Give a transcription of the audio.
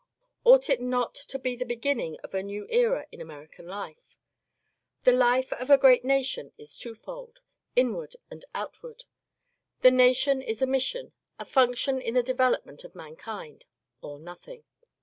Ought it not to be the beginning of a new era in American life ? The life of a great nation is twofold : inward and outward. A nation is a mission — a function in the development of mankind — or nothing.